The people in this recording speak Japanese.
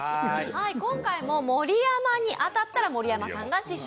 今回も盛山に当たったら盛山さんが試食。